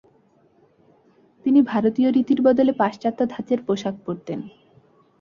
তিনি ভারতীয় রীতির বদলে পাশ্চাত্য ধাচের পোশাক পড়তেন।